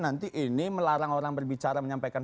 nanti ini melarang orang berbicara menyampaikan